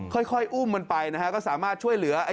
ค่อยอุ้มมันไปนะฮะก็สามารถช่วยเหลือ